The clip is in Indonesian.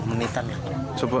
sepuluh menitan lah